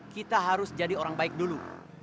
kita harus jadi orang baik dulu